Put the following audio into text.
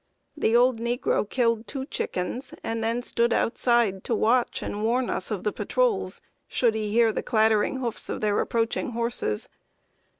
The old negro killed two chickens, and then stood outside, to watch and warn us of the patrols, should he hear the clattering hoofs of their approaching horses.